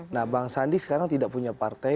nah bang sandi sekarang tidak punya partai